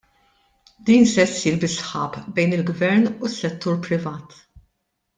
Din se ssir bi sħab bejn il-Gvern u s-settur privat.